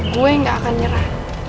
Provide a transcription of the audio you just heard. gue gak akan nyerah